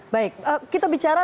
baik kita bicara